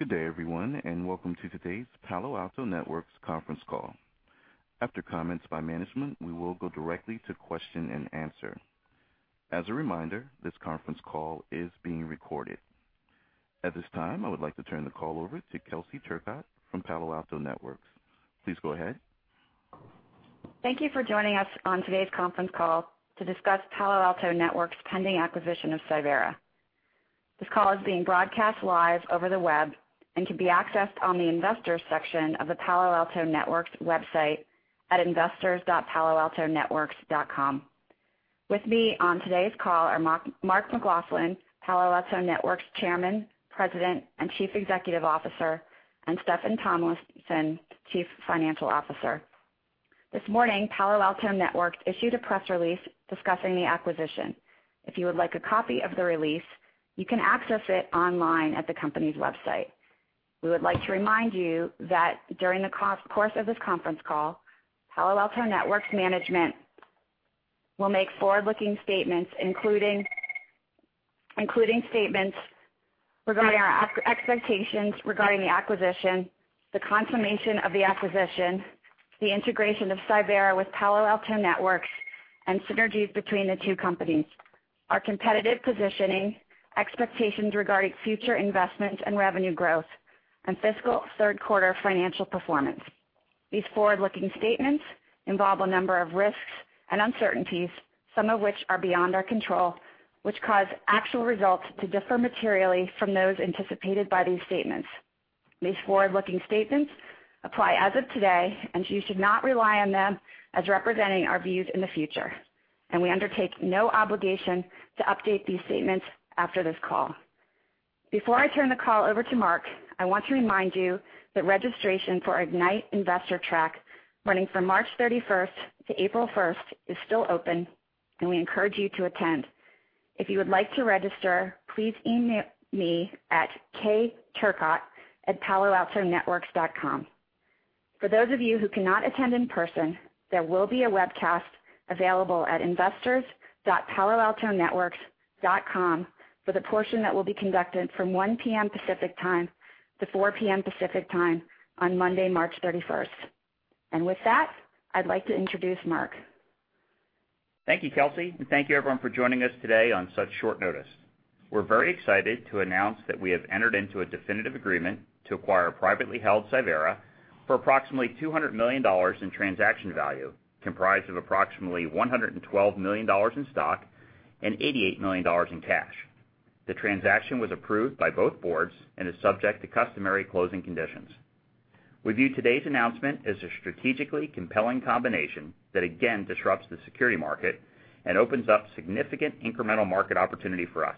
Good day everyone, welcome to today's Palo Alto Networks conference call. After comments by management, we will go directly to question and answer. As a reminder, this conference call is being recorded. At this time, I would like to turn the call over to Kelsey Turcotte from Palo Alto Networks. Please go ahead. Thank you for joining us on today's conference call to discuss Palo Alto Networks' pending acquisition of Cyvera. This call is being broadcast live over the web and can be accessed on the investors section of the Palo Alto Networks website at investors.paloaltonetworks.com. With me on today's call are Mark McLaughlin, Palo Alto Networks Chairman, President, and Chief Executive Officer, and Steffan Tomlinson, Chief Financial Officer. This morning, Palo Alto Networks issued a press release discussing the acquisition. If you would like a copy of the release, you can access it online at the company's website. We would like to remind you that during the course of this conference call, Palo Alto Networks management will make forward-looking statements, including statements regarding our expectations regarding the acquisition, the consummation of the acquisition, the integration of Cyvera with Palo Alto Networks, and synergies between the two companies, our competitive positioning, expectations regarding future investments and revenue growth, and fiscal third quarter financial performance. These forward-looking statements involve a number of risks and uncertainties, some of which are beyond our control, which cause actual results to differ materially from those anticipated by these statements. These forward-looking statements apply as of today, you should not rely on them as representing our views in the future, and we undertake no obligation to update these statements after this call. Before I turn the call over to Mark, I want to remind you that registration for our Ignite investor track, running from March 31st to April 1st, is still open, we encourage you to attend. If you would like to register, please email me at kturcotte@paloaltonetworks.com. For those of you who cannot attend in person, there will be a webcast available at investors.paloaltonetworks.com for the portion that will be conducted from 1:00 P.M. Pacific Time to 4:00 P.M. Pacific Time on Monday, March 31st. With that, I'd like to introduce Mark. Thank you, Kelsey, and thank you everyone for joining us today on such short notice. We're very excited to announce that we have entered into a definitive agreement to acquire privately held Cyvera for approximately $200 million in transaction value, comprised of approximately $112 million in stock and $88 million in cash. The transaction was approved by both boards and is subject to customary closing conditions. We view today's announcement as a strategically compelling combination that again disrupts the security market and opens up significant incremental market opportunity for us.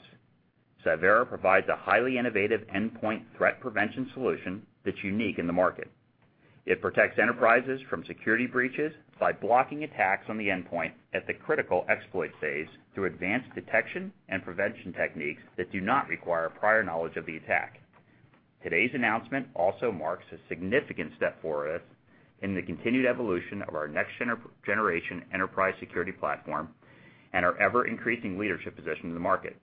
Cyvera provides a highly innovative endpoint threat prevention solution that's unique in the market. It protects enterprises from security breaches by blocking attacks on the endpoint at the critical exploit phase through advanced detection and prevention techniques that do not require prior knowledge of the attack. Today's announcement also marks a significant step for us in the continued evolution of our next-generation enterprise security platform and our ever-increasing leadership position in the market.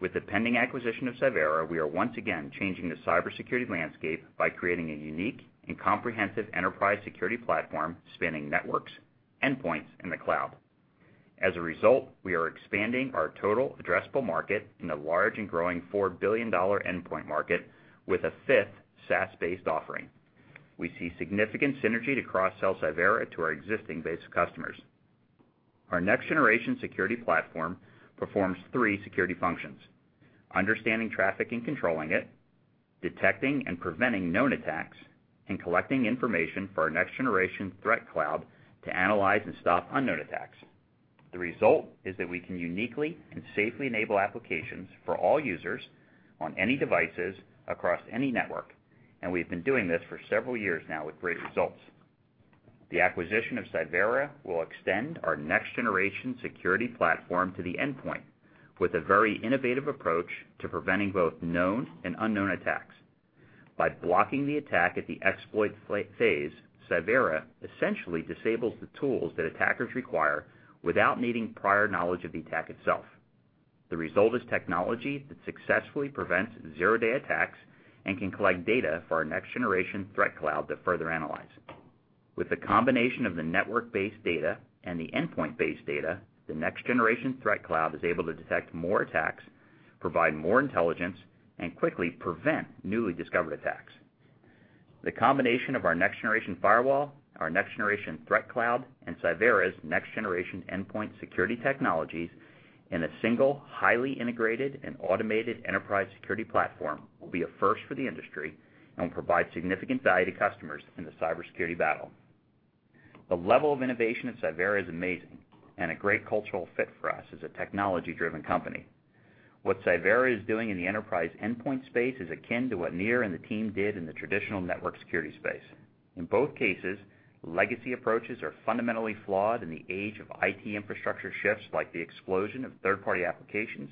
With the pending acquisition of Cyvera, we are once again changing the cybersecurity landscape by creating a unique and comprehensive enterprise security platform spanning networks, endpoints, and the cloud. As a result, we are expanding our total addressable market in the large and growing $4 billion endpoint market with a fifth SaaS-based offering. We see significant synergy to cross-sell Cyvera to our existing base of customers. Our next-generation security platform performs three security functions, understanding traffic and controlling it, detecting and preventing known attacks, and collecting information for our next-generation threat cloud to analyze and stop unknown attacks. The result is that we can uniquely and safely enable applications for all users on any devices across any network, and we've been doing this for several years now with great results. The acquisition of Cyvera will extend our next-generation security platform to the endpoint with a very innovative approach to preventing both known and unknown attacks. By blocking the attack at the exploit phase, Cyvera essentially disables the tools that attackers require without needing prior knowledge of the attack itself. The result is technology that successfully prevents zero-day attacks and can collect data for our next-generation threat cloud to further analyze. With the combination of the network-based data and the endpoint-based data, the next-generation threat cloud is able to detect more attacks, provide more intelligence, and quickly prevent newly discovered attacks. The combination of our Next-Generation Firewall, our next-generation threat cloud, and Cyvera's next-generation endpoint security technologies in a single highly integrated and automated enterprise security platform will be a first for the industry and will provide significant value to customers in the cybersecurity battle. The level of innovation at Cyvera is amazing and a great cultural fit for us as a technology-driven company. What Cyvera is doing in the enterprise endpoint space is akin to what Nir and the team did in the traditional network security space. In both cases, legacy approaches are fundamentally flawed in the age of IT infrastructure shifts, like the explosion of third-party applications,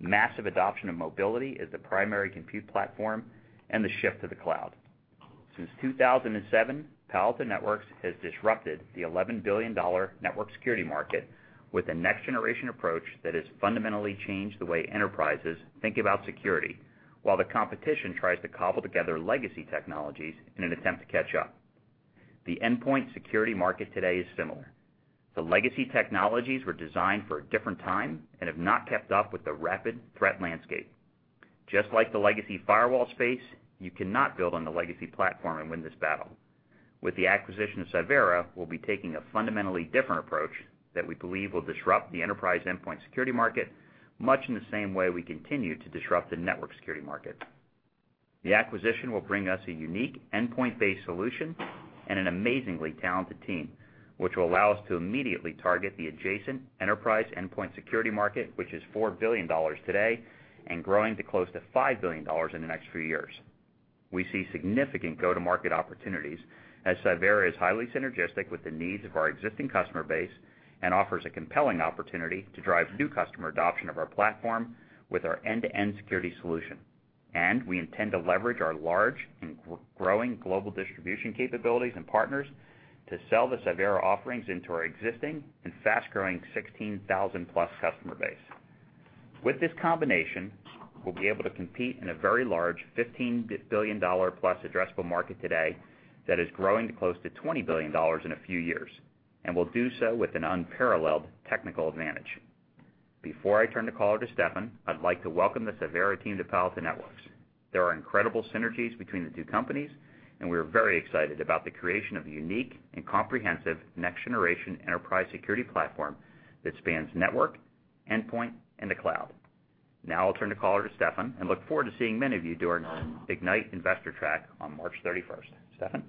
massive adoption of mobility as the primary compute platform, and the shift to the cloud. Since 2007, Palo Alto Networks has disrupted the $11 billion network security market with a next-generation approach that has fundamentally changed the way enterprises think about security, while the competition tries to cobble together legacy technologies in an attempt to catch up. The endpoint security market today is similar. The legacy technologies were designed for a different time and have not kept up with the rapid threat landscape. Just like the legacy firewall space, you cannot build on the legacy platform and win this battle. With the acquisition of Cyvera, we'll be taking a fundamentally different approach that we believe will disrupt the enterprise endpoint security market, much in the same way we continue to disrupt the network security market. The acquisition will bring us a unique endpoint-based solution and an amazingly talented team, which will allow us to immediately target the adjacent enterprise endpoint security market, which is $4 billion today and growing to close to $5 billion in the next few years. We see significant go-to-market opportunities as Cyvera is highly synergistic with the needs of our existing customer base and offers a compelling opportunity to drive new customer adoption of our platform with our end-to-end security solution. We intend to leverage our large and growing global distribution capabilities and partners to sell the Cyvera offerings into our existing and fast-growing 16,000-plus customer base. With this combination, we'll be able to compete in a very large $15 billion-plus addressable market today that is growing to close to $20 billion in a few years and will do so with an unparalleled technical advantage. Before I turn the call over to Steffan, I'd like to welcome the Cyvera team to Palo Alto Networks. There are incredible synergies between the two companies, and we are very excited about the creation of a unique and comprehensive next-generation enterprise security platform that spans network, endpoint, and the cloud. Now I'll turn the call over to Steffan and look forward to seeing many of you during Ignite Investor Track on March 31st. Steffan?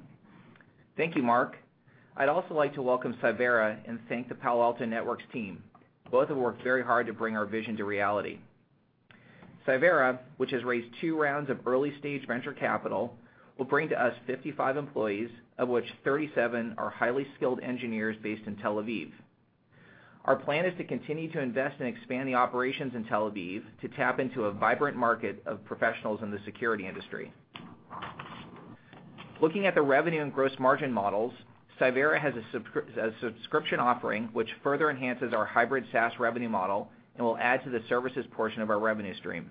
Thank you, Mark. I'd also like to welcome Cyvera and thank the Palo Alto Networks team. Both have worked very hard to bring our vision to reality. Cyvera, which has raised two rounds of early-stage venture capital, will bring to us 55 employees, of which 37 are highly skilled engineers based in Tel Aviv. Our plan is to continue to invest and expand the operations in Tel Aviv to tap into a vibrant market of professionals in the security industry. Looking at the revenue and gross margin models, Cyvera has a subscription offering, which further enhances our hybrid SaaS revenue model and will add to the services portion of our revenue stream.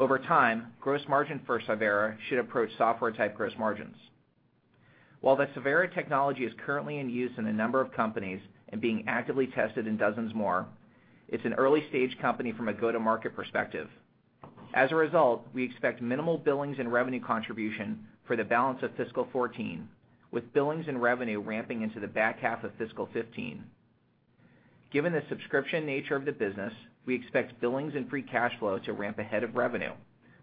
Over time, gross margin for Cyvera should approach software-type gross margins. While the Cyvera technology is currently in use in a number of companies and being actively tested in dozens more, it's an early-stage company from a go-to-market perspective. As a result, we expect minimal billings and revenue contribution for the balance of fiscal 2014, with billings and revenue ramping into the back half of fiscal 2015. Given the subscription nature of the business, we expect billings and free cash flow to ramp ahead of revenue,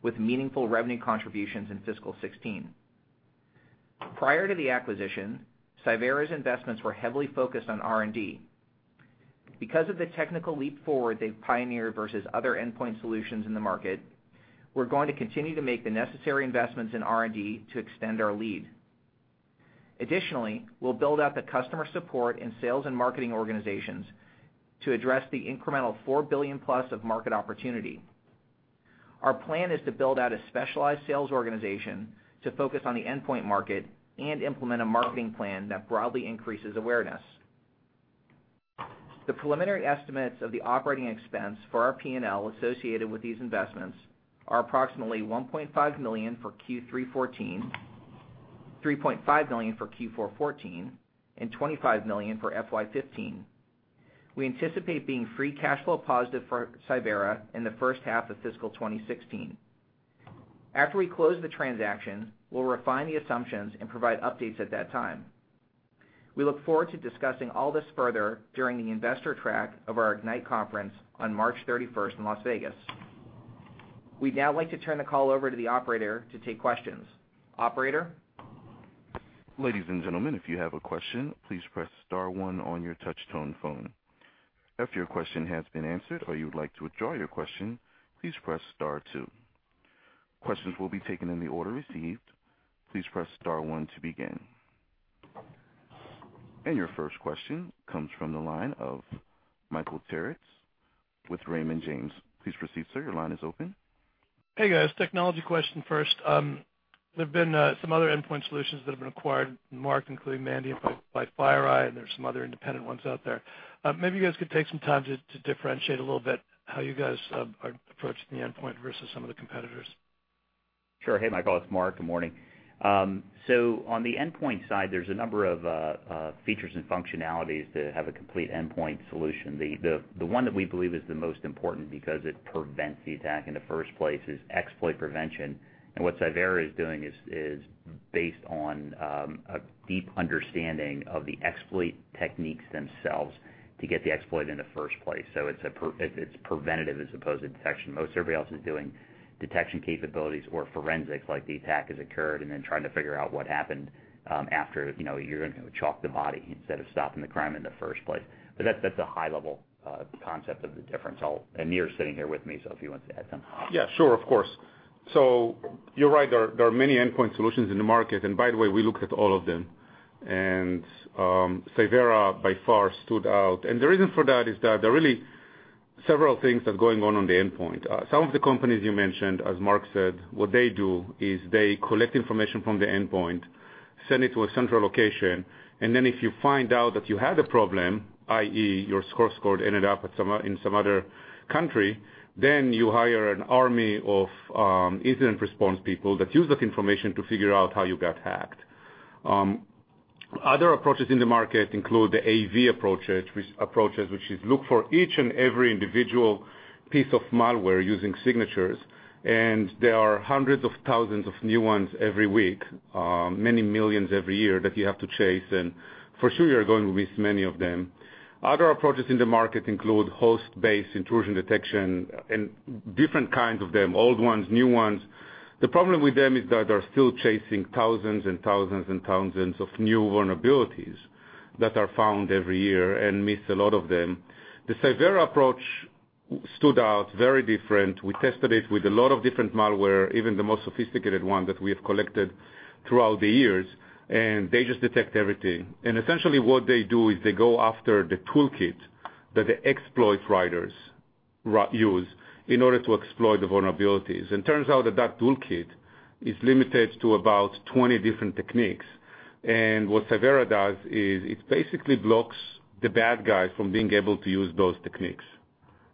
with meaningful revenue contributions in fiscal 2016. Prior to the acquisition, Cyvera's investments were heavily focused on R&D. Because of the technical leap forward they've pioneered versus other endpoint solutions in the market, we're going to continue to make the necessary investments in R&D to extend our lead. Additionally, we'll build out the customer support and sales and marketing organizations to address the incremental $4 billion-plus of market opportunity. Our plan is to build out a specialized sales organization to focus on the endpoint market and implement a marketing plan that broadly increases awareness. The preliminary estimates of the operating expense for our P&L associated with these investments are approximately $1.5 million for Q3 2014, $3.5 million for Q4 2014, and $25 million for FY 2015. We anticipate being free cash flow positive for Cyvera in the first half of fiscal 2016. After we close the transaction, we'll refine the assumptions and provide updates at that time. We look forward to discussing all this further during the investor track of our Ignite Conference on March 31st in Las Vegas. We'd now like to turn the call over to the operator to take questions. Operator? Ladies and gentlemen, if you have a question, please press star one on your touch-tone phone. After your question has been answered or you would like to withdraw your question, please press star two. Questions will be taken in the order received. Please press star one to begin. Your first question comes from the line of Michael Turits with Raymond James. Please proceed, sir. Your line is open. Hey, guys. Technology question first. There have been some other endpoint solutions that have been acquired, Mark, including Mandiant by FireEye, and there's some other independent ones out there. Maybe you guys could take some time to differentiate a little bit how you guys are approaching the endpoint versus some of the competitors. Sure. Hey, Michael, it is Mark. Good morning. On the endpoint side, there is a number of features and functionalities that have a complete endpoint solution. The one that we believe is the most important because it prevents the attack in the first place is exploit prevention. What Cyvera is doing is based on a deep understanding of the exploit techniques themselves to get the exploit in the first place. It is preventative as opposed to detection. Most surveillance is doing detection capabilities or forensics, like the attack has occurred, then trying to figure out what happened after, you are going to chalk the body instead of stopping the crime in the first place. That is a high-level concept of the difference. Nir is sitting here with me, if he wants to add something. Yeah, sure. Of course. You are right, there are many endpoint solutions in the market. By the way, we looked at all of them, Cyvera by far stood out. The reason for that is that several things are going on on the endpoint. Some of the companies you mentioned, as Mark said, what they do is they collect information from the endpoint, send it to a central location, then if you find out that you had a problem, i.e., your score ended up in some other country, you hire an army of incident response people that use that information to figure out how you got hacked. Other approaches in the market include the AV approaches, which is look for each and every individual piece of malware using signatures. There are hundreds of thousands of new ones every week, many millions every year that you have to chase. For sure you are going to miss many of them. Other approaches in the market include host-based intrusion detection and different kinds of them, old ones, new ones. The problem with them is that they are still chasing thousands and thousands of new vulnerabilities that are found every year and miss a lot of them. The Cyvera approach stood out very different. We tested it with a lot of different malware, even the most sophisticated one that we have collected throughout the years, they just detect everything. Essentially what they do is they go after the toolkit that the exploit writers use in order to exploit the vulnerabilities, turns out that that toolkit is limited to about 20 different techniques. What Cyvera does is it basically blocks the bad guys from being able to use those techniques,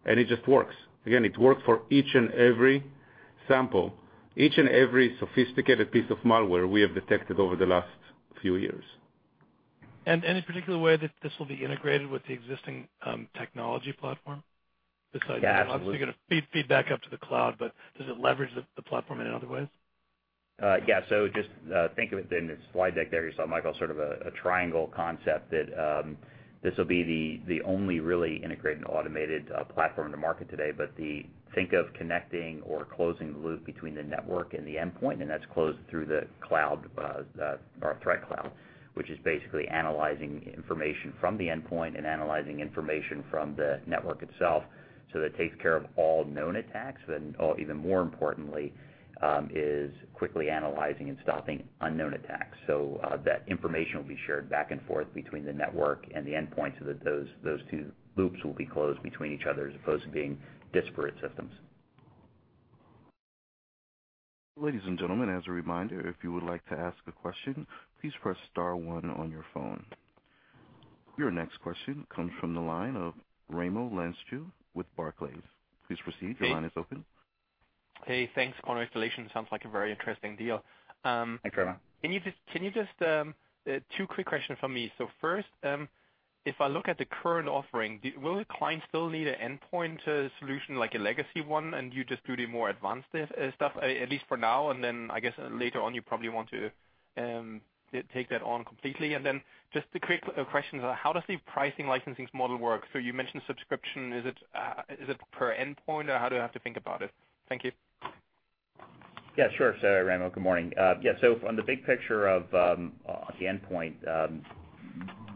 it just works. Again, it works for each and every sample, each and every sophisticated piece of malware we have detected over the last few years. Any particular way that this will be integrated with the existing technology platform? Yeah, absolutely. Obviously you're going to feed back up to the cloud, but does it leverage the platform in other ways? Yeah. Just think of it then, the slide deck there you saw, Michael, sort of a triangle concept that this will be the only really integrated and automated platform to market today. Think of connecting or closing the loop between the network and the endpoint, and that's closed through the threat cloud, which is basically analyzing information from the endpoint and analyzing information from the network itself. That takes care of all known attacks. Even more importantly, is quickly analyzing and stopping unknown attacks. That information will be shared back and forth between the network and the endpoint, so that those two loops will be closed between each other as opposed to being disparate systems. Ladies and gentlemen, as a reminder, if you would like to ask a question, please press star one on your phone. Your next question comes from the line of Raimo Lenschow with Barclays. Please proceed. Your line is open. Hey, thanks. Congratulations. Sounds like a very interesting deal. Thanks, Raimo. Two quick questions from me. First, if I look at the current offering, will the client still need an endpoint solution like a legacy one and you just do the more advanced stuff, at least for now? I guess later on, you probably want to take that on completely. Just a quick question. How does the pricing licensing model work? You mentioned subscription. Is it per endpoint or how do I have to think about it? Thank you. Yeah, sure. Raimo, good morning. Yeah. On the big picture of the endpoint,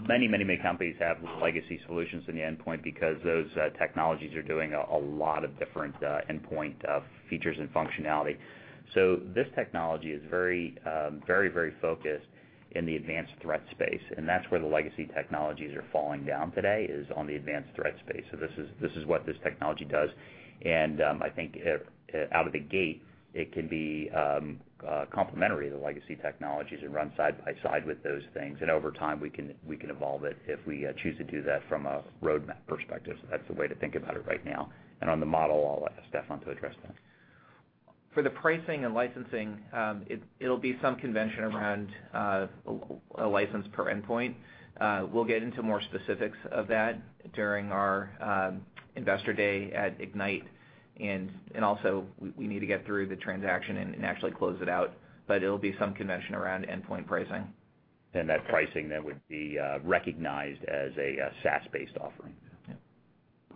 many companies have legacy solutions in the endpoint because those technologies are doing a lot of different endpoint features and functionality. This technology is very focused in the advanced threat space, and that's where the legacy technologies are falling down today, is on the advanced threat space. This is what this technology does, and I think out of the gate, it can be complementary to legacy technologies and run side by side with those things. Over time, we can evolve it if we choose to do that from a roadmap perspective. That's the way to think about it right now. On the model, I'll ask Steffan to address that. For the pricing and licensing, it'll be some convention around a license per endpoint. We'll get into more specifics of that during our investor day at Ignite. Also, we need to get through the transaction and actually close it out, but it'll be some convention around endpoint pricing. That pricing then would be recognized as a SaaS-based offering.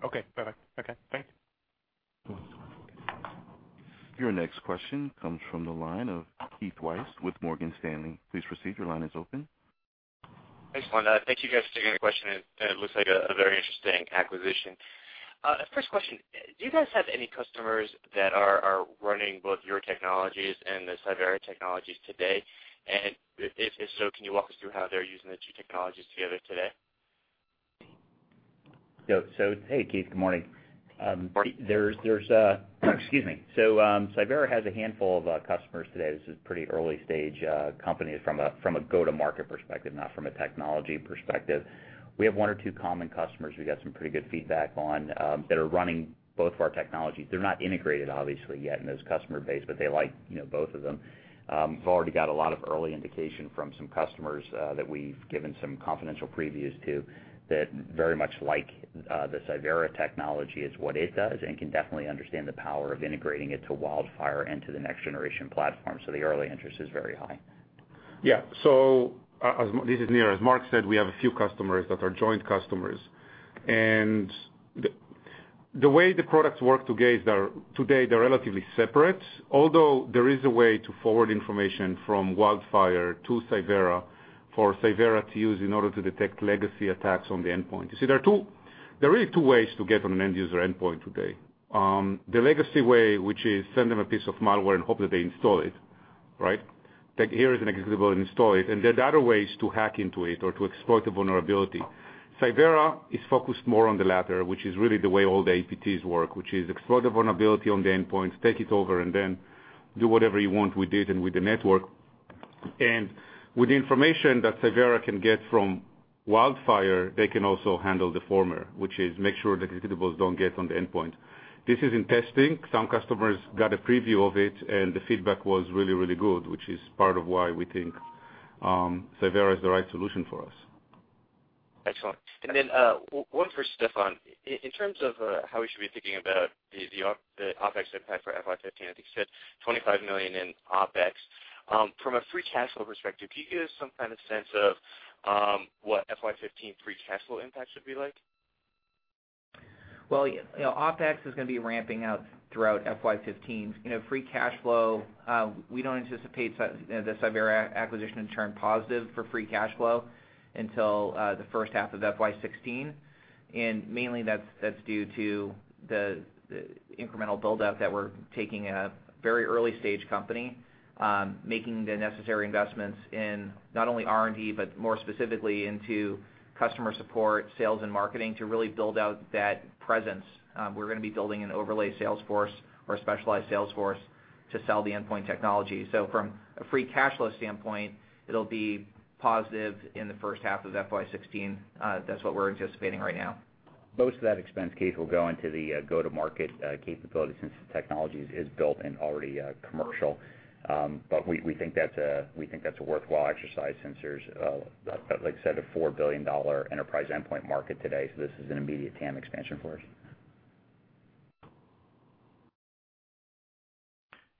Okay, perfect. Okay, thanks. Your next question comes from the line of Keith Weiss with Morgan Stanley. Please proceed. Your line is open. Thanks. Thank you guys for taking the question. It looks like a very interesting acquisition. First question, do you guys have any customers that are running both your technologies and the Cyvera technologies today? If so, can you walk us through how they're using the two technologies together today? Hey, Keith, good morning. Morning. Cyvera has a handful of customers today. This is pretty early-stage companies from a go-to-market perspective, not from a technology perspective. We have one or two common customers we got some pretty good feedback on that are running both of our technologies. They're not integrated obviously yet in this customer base, but they like both of them. We've already got a lot of early indication from some customers that we've given some confidential previews to that very much like the Cyvera technology, it's what it does and can definitely understand the power of integrating it to WildFire and to the next-generation platform. The early interest is very high. Yeah. This is Lior. As Mark said, we have a few customers that are joint customers. The way the products work today is they're relatively separate, although there is a way to forward information from WildFire to Cyvera for Cyvera to use in order to detect legacy attacks on the endpoint. You see, there are really two ways to get on an end user endpoint today. The legacy way, which is send them a piece of malware and hope that they install it. Right. Here is an executable, install it. There are other ways to hack into it or to exploit a vulnerability. Cyvera is focused more on the latter, which is really the way all the APTs work, which is exploit the vulnerability on the endpoint, take it over, and then do whatever you want with it and with the network. With the information that Cyvera can get from WildFire, they can also handle the former, which is make sure the executables don't get on the endpoint. This is in testing. Some customers got a preview of it, and the feedback was really, really good, which is part of why we think Cyvera is the right solution for us. Excellent. Then one for Steffan. In terms of how we should be thinking about the OpEx impact for FY 2015, I think you said $25 million in OpEx. From a free cash flow perspective, can you give some kind of sense of what FY 2015 free cash flow impact should be like? OpEx is going to be ramping out throughout FY 2015. Free cash flow, we don't anticipate the Cyvera acquisition to turn positive for free cash flow until the first half of FY 2016. Mainly that's due to the incremental buildup that we're taking a very early-stage company, making the necessary investments in not only R&D, but more specifically into customer support, sales and marketing to really build out that presence. We're going to be building an overlay sales force or a specialized sales force to sell the endpoint technology. From a free cash flow standpoint, it'll be positive in the first half of FY 2016. That's what we're anticipating right now. Most of that expense, Keith, will go into the go-to-market capabilities since the technology is built and already commercial. We think that's a worthwhile exercise since there's, like I said, a $4 billion enterprise endpoint market today. This is an immediate TAM expansion for us.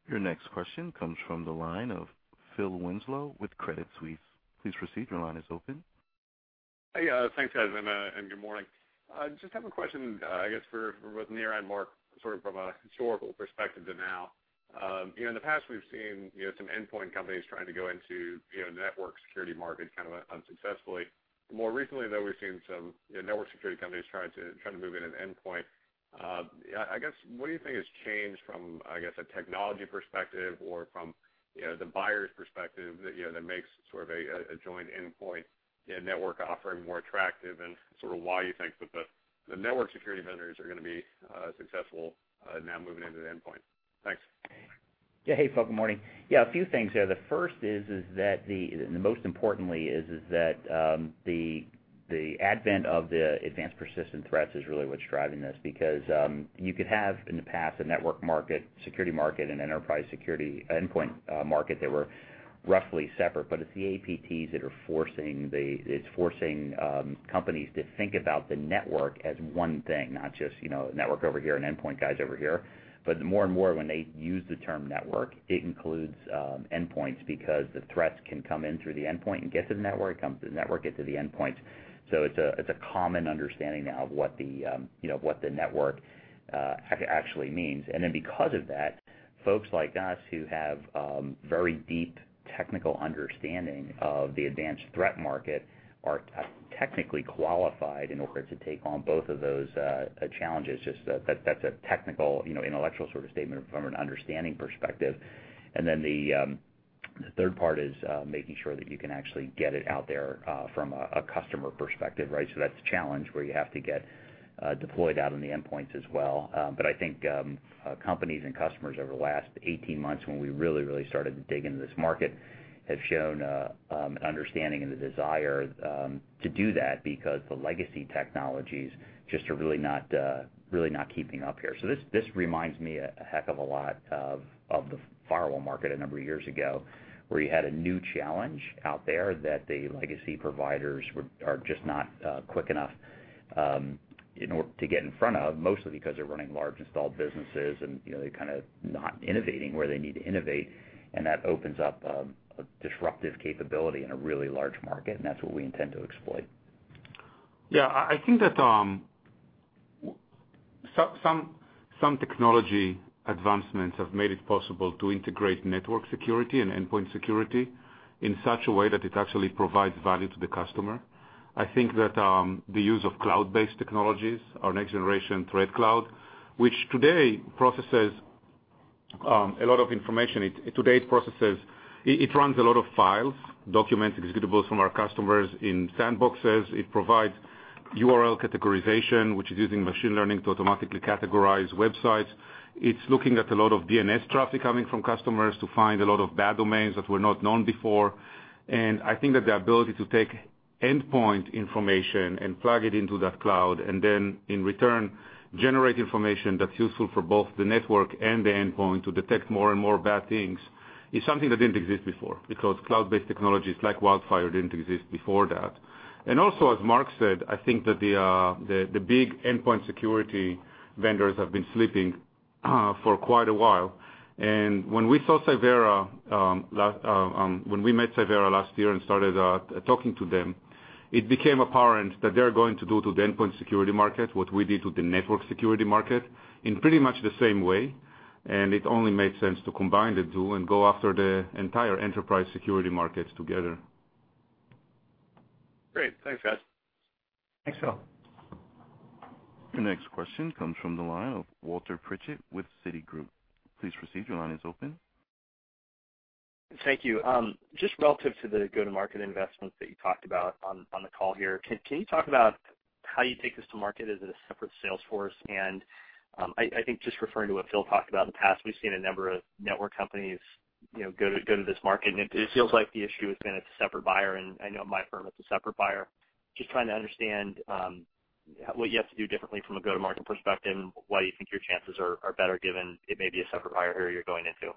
Your next question comes from the line of Phil Winslow with Credit Suisse. Please proceed, your line is open. Hey, thanks, guys, and good morning. Just have a question, I guess for both Nir and Mark, sort of from a historical perspective to now. In the past, we've seen some endpoint companies trying to go into network security market kind of unsuccessfully. More recently, though, we've seen some network security companies trying to move into endpoint. I guess, what do you think has changed from, I guess, a technology perspective or from the buyer's perspective that makes sort of a joint endpoint network offering more attractive and sort of why you think that the network security vendors are going to be successful now moving into the endpoint? Thanks. Yeah. Hey, Phil. Good morning. Yeah, a few things there. The first is that the and the most importantly is that the advent of the advanced persistent threats is really what's driving this because you could have, in the past, a network market, security market, and enterprise security endpoint market that were roughly separate. It's the APTs that are forcing companies to think about the network as one thing. Not just network over here and endpoint guys over here. More and more when they use the term network, it includes endpoints because the threats can come in through the endpoint and get to the network, come through the network, get to the endpoint. It's a common understanding now of what the network actually means. Because of that, folks like us who have very deep technical understanding of the advanced threat market are technically qualified in order to take on both of those challenges. Just that's a technical, intellectual sort of statement from an understanding perspective. The third part is making sure that you can actually get it out there from a customer perspective, right? That's a challenge where you have to get deployed out on the endpoints as well. I think companies and customers over the last 18 months when we really, really started to dig into this market have shown an understanding and the desire to do that because the legacy technologies just are really not keeping up here. This reminds me a heck of a lot of the firewall market a number of years ago, where you had a new challenge out there that the legacy providers are just not quick enough to get in front of, mostly because they're running large installed businesses and they're kind of not innovating where they need to innovate. That opens up a disruptive capability in a really large market, and that's what we intend to exploit. Yeah, I think that some technology advancements have made it possible to integrate network security and endpoint security in such a way that it actually provides value to the customer. I think that the use of cloud-based technologies, our next-generation threat cloud, which today processes a lot of information. Today, it runs a lot of files, documents, executables from our customers in sandboxes. It provides URL categorization, which is using machine learning to automatically categorize websites. It's looking at a lot of DNS traffic coming from customers to find a lot of bad domains that were not known before. I think that the ability to take endpoint information and plug it into that cloud and then in return generate information that's useful for both the network and the endpoint to detect more and more bad things is something that didn't exist before because cloud-based technologies like WildFire didn't exist before that. Also, as Mark said, I think that the big endpoint security vendors have been sleeping for quite a while. When we met Cyvera last year and started talking to them, it became apparent that they're going to do to the endpoint security market what we did to the network security market in pretty much the same way. It only made sense to combine the two and go after the entire enterprise security markets together. Great. Thanks, guys. Thanks, Phil. Your next question comes from the line of Walter Pritchard with Citigroup. Please proceed. Your line is open. Thank you. Just relative to the go-to-market investments that you talked about on the call here, can you talk about how you take this to market as a separate sales force? I think just referring to what Phil talked about in the past, we've seen a number of network companies go to this market, and it feels like the issue has been it's a separate buyer, and I know at my firm it's a separate buyer. Just trying to understand, what you have to do differently from a go-to-market perspective, and why you think your chances are better given it may be a separate buyer here you're going into.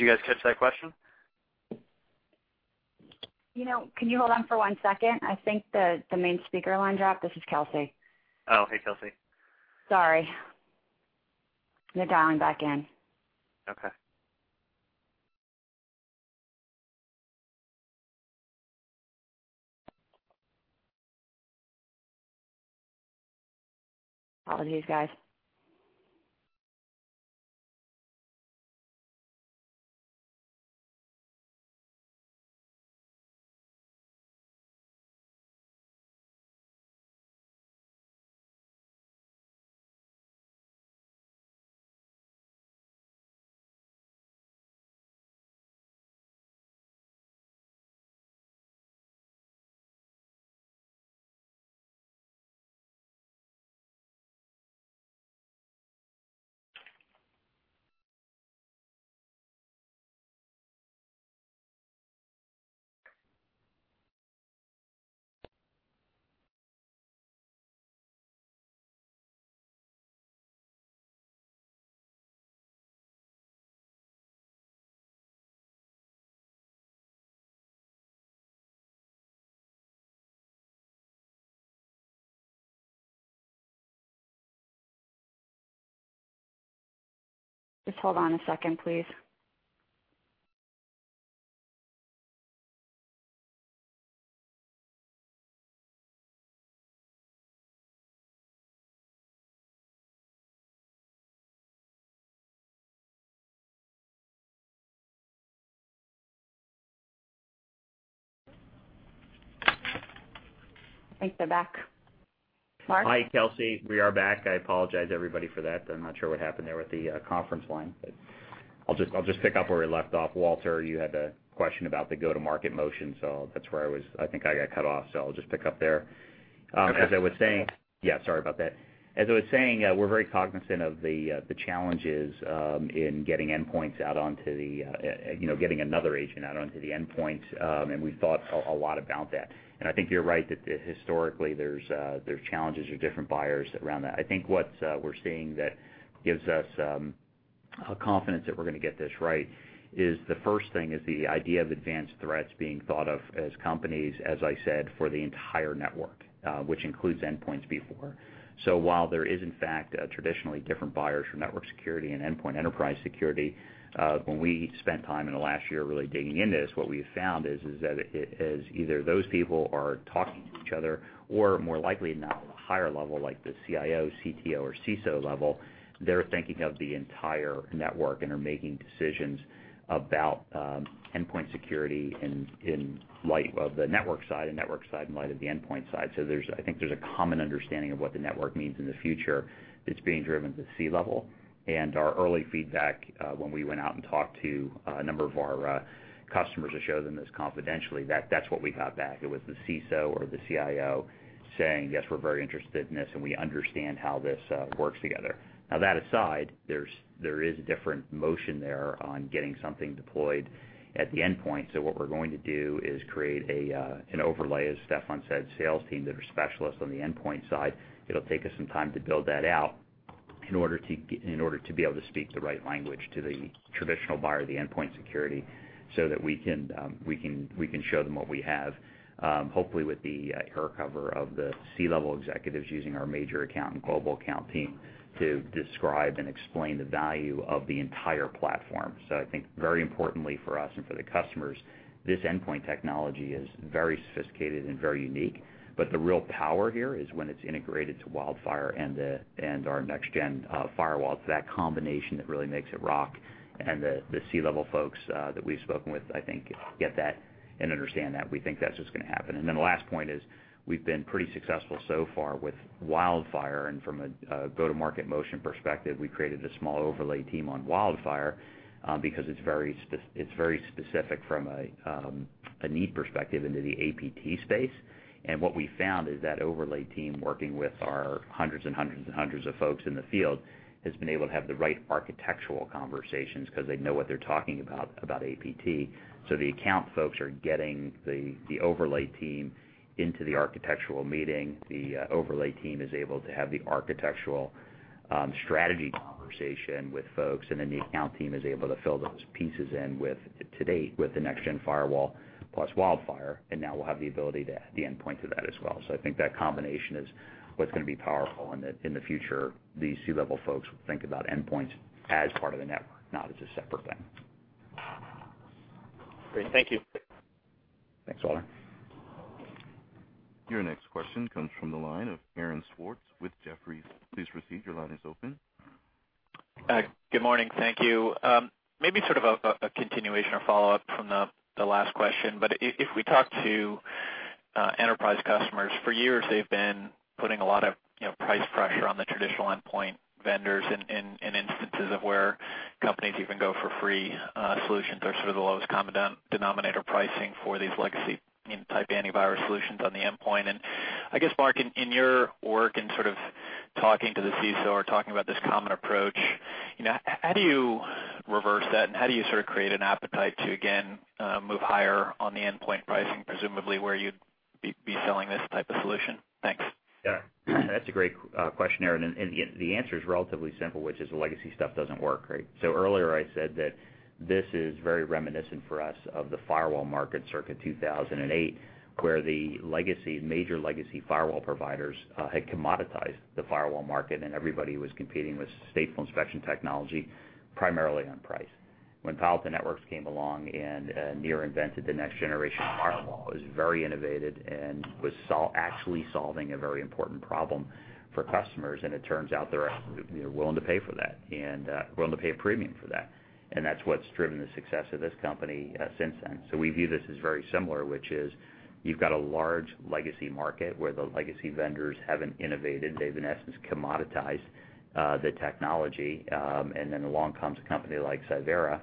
Did you guys catch that question? Can you hold on for one second? I think the main speaker line dropped. This is Kelsey. Oh, hey, Kelsey. Sorry. They're dialing back in. Okay. Apologies, guys. Just hold on a second, please. I think they're back. Mark? Hi, Kelsey. We are back. I apologize everybody for that. I'm not sure what happened there with the conference line, I'll just pick up where we left off. Walter, you had a question about the go-to-market motion. That's where I was. I think I got cut off. I'll just pick up there. Okay. Yeah, sorry about that. As I was saying, we're very cognizant of the challenges, in getting another agent out onto the endpoint. We've thought a lot about that. I think you're right that historically there's challenges with different buyers around that. I think what we're seeing that gives us confidence that we're going to get this right is the first thing is the idea of advanced threats being thought of as companies, as I said, for the entire network, which includes endpoints before. While there is, in fact, traditionally different buyers for network security and endpoint enterprise security, when we spent time in the last year really digging into this, what we have found is that it is either those people are talking to each other or more likely now at a higher level, like the CIO, CTO, or CISO level, they're thinking of the entire network and are making decisions about endpoint security in light of the network side and network side in light of the endpoint side. I think there's a common understanding of what the network means in the future that's being driven to C-level. Our early feedback, when we went out and talked to a number of our customers to show them this confidentially, that's what we got back. It was the CISO or the CIO saying, "Yes, we're very interested in this, and we understand how this works together." Now, that aside, there is a different motion there on getting something deployed at the endpoint. What we're going to do is create an overlay, as Steffan said, sales team that are specialists on the endpoint side. It'll take us some time to build that out in order to be able to speak the right language to the traditional buyer of the endpoint security so that we can show them what we have. Hopefully, with the air cover of the C-level executives using our major account and global account team to describe and explain the value of the entire platform. I think very importantly for us and for the customers, this endpoint technology is very sophisticated and very unique. The real power here is when it's integrated to WildFire and our next-gen firewall. It's that combination that really makes it rock. The C-level folks that we've spoken with, I think, get that and understand that. We think that's just going to happen. The last point is we've been pretty successful so far with WildFire. From a go-to-market motion perspective, we created a small overlay team on WildFire because it's very specific from a need perspective into the APT space. What we found is that overlay team working with our hundreds and hundreds of folks in the field has been able to have the right architectural conversations because they know what they're talking about APT. The account folks are getting the overlay team into the architectural meeting, the overlay team is able to have the architectural strategy conversation with folks, the account team is able to fill those pieces in to date with the next-gen firewall plus WildFire, and now we'll have the ability to add the endpoint to that as well. I think that combination is what's going to be powerful and that in the future, these C-level folks will think about endpoints as part of the network, not as a separate thing. Great. Thank you. Thanks, Walter. Your next question comes from the line of Aaron Schwartz with Jefferies. Please proceed. Your line is open. Good morning. Thank you. Maybe sort of a continuation or follow-up from the last question. If we talk to enterprise customers, for years, they've been putting a lot of price pressure on the traditional endpoint vendors in instances of where companies even go for free solutions or sort of the lowest common denominator pricing for these legacy type antivirus solutions on the endpoint. I guess, Mark, in your work in sort of talking to the CISO or talking about this common approach, how do you reverse that and how do you sort of create an appetite to, again, move higher on the endpoint pricing, presumably where you'd be selling this type of solution? Thanks. That's a great question, Aaron, the answer is relatively simple, which is the legacy stuff doesn't work, right? Earlier I said that this is very reminiscent for us of the firewall market circa 2008, where the major legacy firewall providers had commoditized the firewall market and everybody was competing with stateful inspection technology, primarily on price. When Palo Alto Networks came along Nir invented the Next-Generation Firewall, it was very innovative and was actually solving a very important problem for customers. It turns out they're willing to pay for that, willing to pay a premium for that. That's what's driven the success of this company since then. We view this as very similar, which is you've got a large legacy market where the legacy vendors haven't innovated. They've, in essence, commoditized the technology. Along comes a company like Cyvera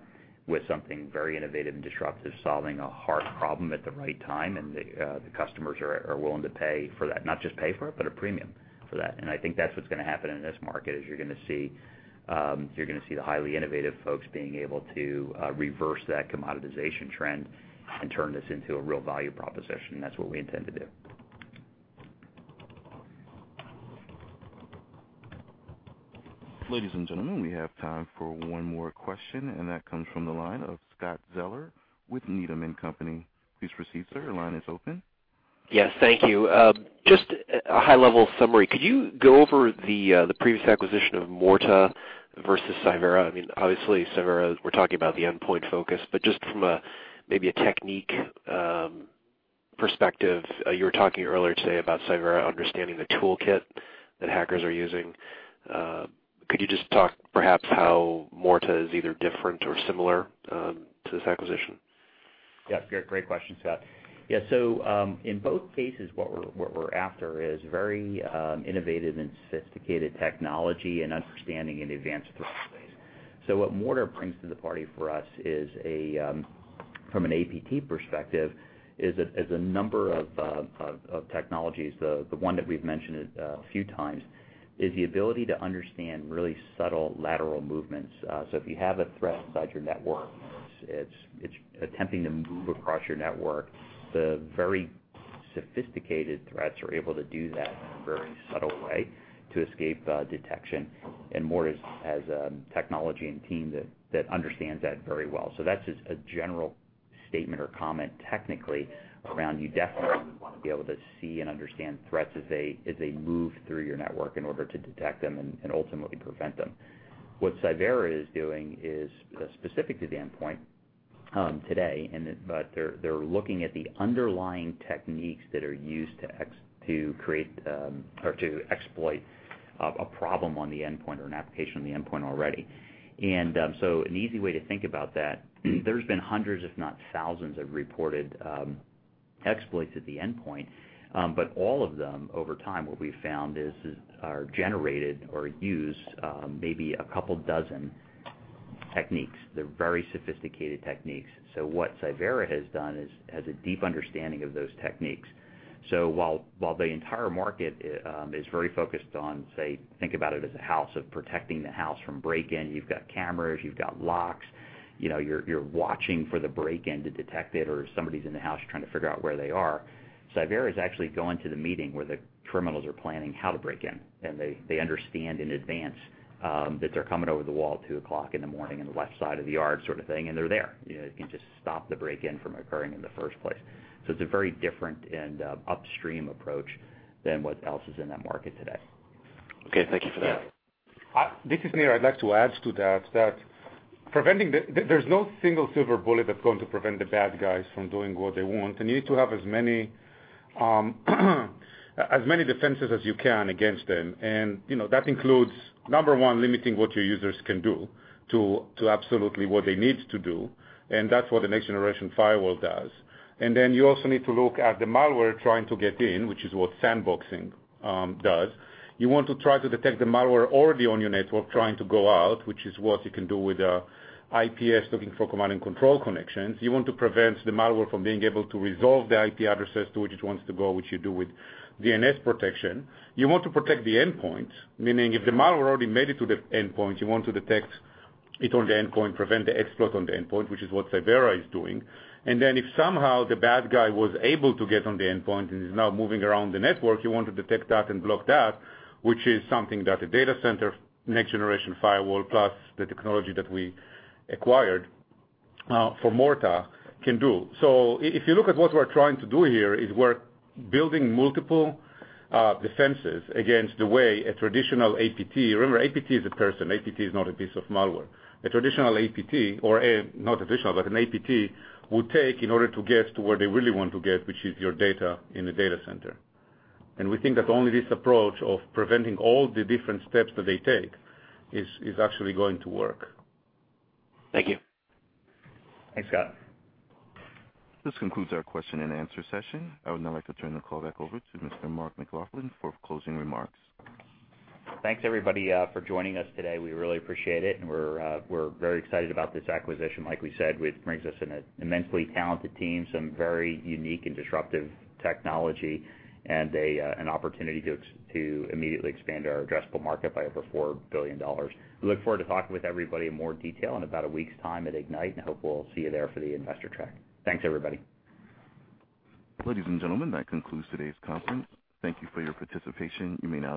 with something very innovative and disruptive, solving a hard problem at the right time, the customers are willing to pay for that. Not just pay for it, but a premium for that. I think that's what's going to happen in this market, is you're going to see the highly innovative folks being able to reverse that commoditization trend and turn this into a real value proposition. That's what we intend to do. Ladies and gentlemen, we have time for one more question, and that comes from the line of Scott Zeller with Needham & Company. Please proceed, sir. Your line is open. Yes, thank you. Just a high-level summary. Could you go over the previous acquisition of Morta versus Cyvera? Cyvera, we're talking about the endpoint focus, just from maybe a technique perspective, you were talking earlier today about Cyvera understanding the toolkit that hackers are using. Could you just talk perhaps how Morta is either different or similar to this acquisition? Great question, Scott. In both cases, what we're after is very innovative and sophisticated technology and understanding in advanced threat space. What Morta brings to the party for us from an APT perspective is a number of technologies. The one that we've mentioned a few times is the ability to understand really subtle lateral movements. If you have a threat inside your network, it's attempting to move across your network. The very sophisticated threats are able to do that in a very subtle way to escape detection, and Morta has a technology and team that understands that very well. That's just a general statement or comment technically around you definitely want to be able to see and understand threats as they move through your network in order to detect them and ultimately prevent them. What Cyvera is doing is specific to the endpoint today, they're looking at the underlying techniques that are used to exploit a problem on the endpoint or an application on the endpoint already. An easy way to think about that, there's been hundreds if not thousands of reported exploits at the endpoint. All of them, over time, what we've found are generated or used maybe a couple dozen techniques. They're very sophisticated techniques. What Cyvera has done is has a deep understanding of those techniques. While the entire market is very focused on, say, think about it as a house, of protecting the house from break-in. You've got cameras, you've got locks, you're watching for the break-in to detect it, or if somebody's in the house, you're trying to figure out where they are. Cyvera is actually going to the meeting where the criminals are planning how to break in, and they understand in advance that they're coming over the wall at 2:00 A.M. on the left side of the yard sort of thing, and they're there. It can just stop the break-in from occurring in the first place. It's a very different and upstream approach than what else is in that market today. Okay, thank you for that. Yeah. This is Nir. I'd like to add to that there's no single silver bullet that's going to prevent the bad guys from doing what they want. You need to have as many defenses as you can against them. That includes, number 1, limiting what your users can do to absolutely what they need to do, and that's what the Next-Generation Firewall does. Then you also need to look at the malware trying to get in, which is what sandboxing does. You want to try to detect the malware already on your network trying to go out, which is what you can do with IPS, looking for command and control connections. You want to prevent the malware from being able to resolve the IP addresses to which it wants to go, which you do with DNS protection. You want to protect the endpoint, meaning if the malware already made it to the endpoint, you want to detect it on the endpoint, prevent the exploit on the endpoint, which is what Cyvera is doing. Then if somehow the bad guy was able to get on the endpoint and is now moving around the network, you want to detect that and block that, which is something that a data center Next-Generation Firewall plus the technology that we acquired for Morta can do. If you look at what we're trying to do here, is we're building multiple defenses against the way a traditional APT, remember, APT is a person. APT is not a piece of malware. A traditional APT, or not traditional, but an APT will take in order to get to where they really want to get, which is your data in the data center. We think that only this approach of preventing all the different steps that they take is actually going to work. Thank you. Thanks, Scott. This concludes our question and answer session. I would now like to turn the call back over to Mr. Mark McLaughlin for closing remarks. Thanks everybody for joining us today. We really appreciate it, and we're very excited about this acquisition. Like we said, which brings us an immensely talented team, some very unique and disruptive technology, and an opportunity to immediately expand our addressable market by over $4 billion. We look forward to talking with everybody in more detail in about a week's time at Ignite, and hope we'll see you there for the investor track. Thanks, everybody. Ladies and gentlemen, that concludes today's conference. Thank you for your participation. You may now